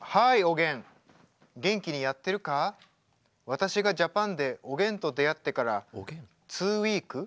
私がジャパンでおげんと出会ってから２ウイーク？